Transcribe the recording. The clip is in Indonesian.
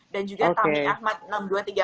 dan juga tami ahmad